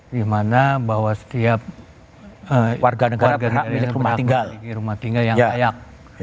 di mana bahwa setiap warga negara milik rumah tinggal yang layak